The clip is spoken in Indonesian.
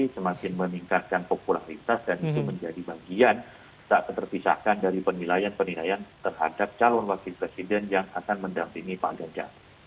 semakin meningkatkan popularitas dan itu menjadi bagian tak terpisahkan dari penilaian penilaian terhadap calon wakil presiden yang akan mendampingi pak ganjar